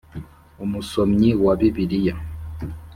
Umusomyi wabibiriya